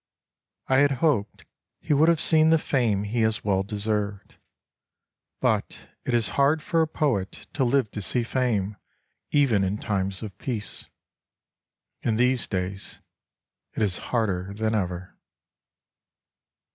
I had hoped he would have seen the fame he has well deserved ; but it is hard for a poet to live to see fame even in times of peace. In these days it is harder than ever.